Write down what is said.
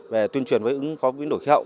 về tuyên truyền về ứng phó biến đổi khí hậu